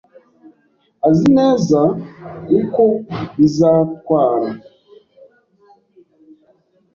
azi neza uko bizatwara.